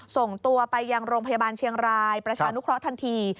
ส่งตัวไปยังโรงพยาบาลเชียงรายประชานุเคราะห์ทันที